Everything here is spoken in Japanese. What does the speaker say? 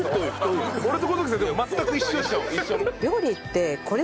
俺と小峠さん全く一緒。